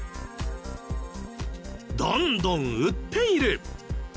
どんどん売っている。